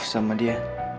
tolong jatuhkan diri